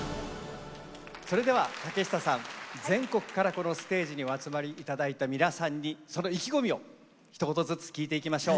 それでは竹下さん全国からこのステージにお集まり頂いた皆さんにその意気込みをひと言ずつ聞いていきましょう。